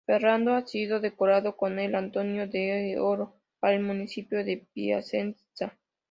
Ferrando ha sido decorado con el "Antonino d'Oro" para el Municipio de Piacenza.